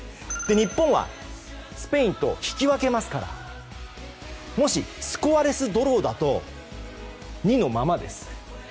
日本はスペインと引き分けますからもし、スコアレスドローだと２のままです。